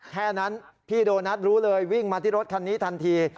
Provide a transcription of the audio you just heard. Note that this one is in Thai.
แค่นั้นพี่โดนัทรู้เลยวิ่งมาที่รถคันนี้ทันที